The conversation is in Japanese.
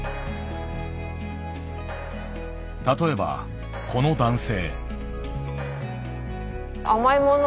例えばこの男性。